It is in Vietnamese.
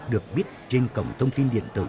được biết trên cổng thông tin điện tử